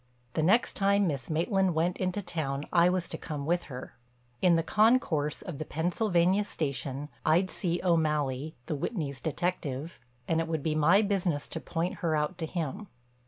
The next time Miss Maitland went into town I was to come with her. In the concourse of the Pennsylvania station I'd see O'Malley (the Whitneys' detective) and it would be my business to point her out to him.